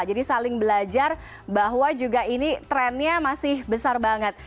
jadi saling belajar bahwa juga ini trennya masih besar banget